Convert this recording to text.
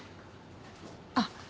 あっ。